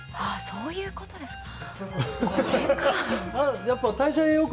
そういうことですか。